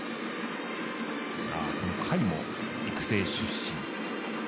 甲斐も育成出身。